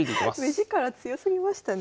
目力強すぎましたね。